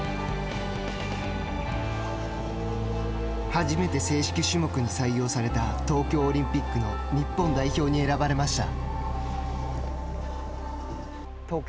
初めて正式種目に採用された東京オリンピックの日本代表に選ばれました。